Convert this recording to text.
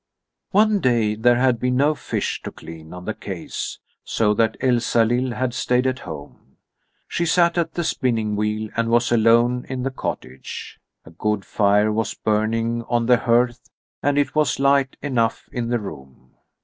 II One day there had been no fish to clean on the quays, so that Elsalill had stayed at home. She sat at the spinning wheel and was alone in the cottage. A good fire was burning on the hearth, and it was light enough in the room.